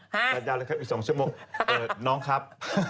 จัดยาวแล้วคลับอีกสองชั่วโมงน้องครับ